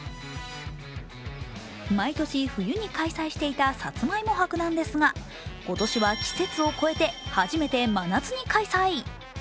毎年冬に開催していたさつまいも博なんですが今年は季節を超えて初めて真夏に開催。